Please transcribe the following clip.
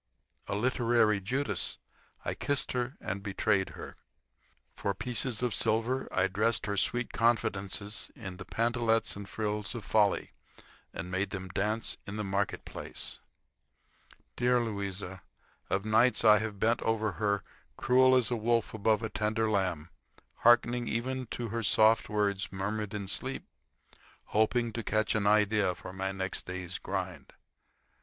A literary Judas, I kissed her and betrayed her. For pieces of silver I dressed her sweet confidences in the pantalettes and frills of folly and made them dance in the market place. Dear Louisa! Of nights I have bent over her cruel as a wolf above a tender lamb, hearkening even to her soft words murmured in sleep, hoping to catch an idea for my next day's grind.